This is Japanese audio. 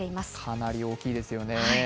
かなり大きいですよね。